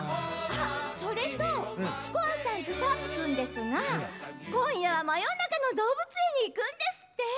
それとスコアさんとシャープくんですが今夜は「真夜中の動物園」に行くんですって。